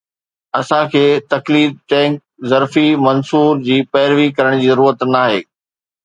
اسان کي تقليد ٽينڪ ظرفي منصور جي پيروي ڪرڻ جي ضرورت ناهي